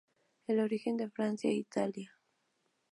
Es originaria de Francia e Italia.